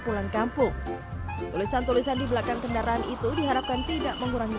pulang kampung tulisan tulisan di belakang kendaraan itu diharapkan tidak mengurangi